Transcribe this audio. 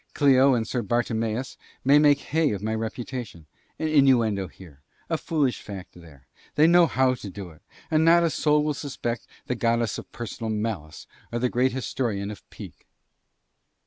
Clio and Sir Bartimeus will make hay of my reputation; an innuendo here, a foolish fact there, they know how to do it, and not a soul will suspect the goddess of personal malice or the great historian of pique.